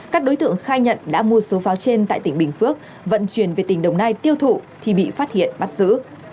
các đối tượng khai nhận đã mua số pháo trên tại tỉnh bình phước vận chuyển về tỉnh đồng nai tiêu thụ thì bị phát hiện bắt giữ